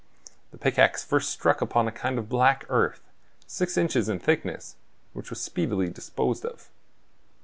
The pickaxe first struck upon a kind of black earth, six inches in thickness, which was speedily disposed of.